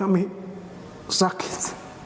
ini buat kami sakit